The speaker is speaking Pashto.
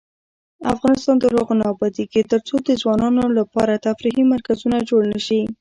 افغانستان تر هغو نه ابادیږي، ترڅو د ځوانانو لپاره تفریحي مرکزونه جوړ نشي.